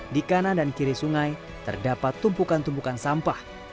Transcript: di kanan dan kiri sungai terdapat tumpukan tumpukan sampah